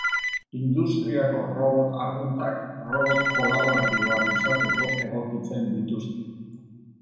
Industriako robot arruntak robot kolaboratiboak izateko egokitzen dituzte.